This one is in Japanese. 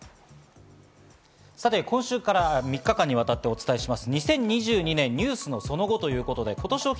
今週から３日間にわたってお伝えします。